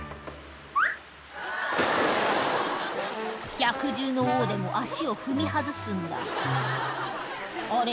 百獣の王でも足を踏み外すんだあれ？